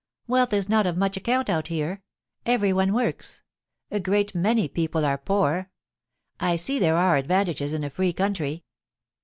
'Wealth is not of much account out here. Everyone works. A great many people are poor. I see there are advantages in a free country.'